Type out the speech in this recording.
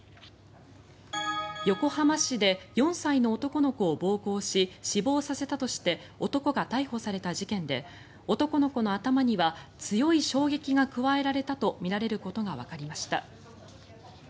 横浜市で４歳の男の子を暴行し死亡させたとして男が逮捕された事件で男の子の頭には強い衝撃が加えられたとみられることがわかりました。